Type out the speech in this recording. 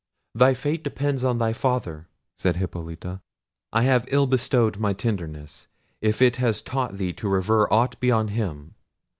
"Thy fate depends on thy father," said Hippolita; "I have ill bestowed my tenderness, if it has taught thee to revere aught beyond him.